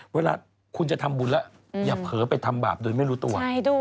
เวลาคุณจะทำบุญแล้วอย่าเผลอไปทำบาปโดยไม่รู้ตัว